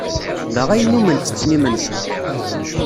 Da ay nnummen ttetten imensi.